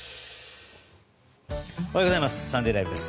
おはようございます。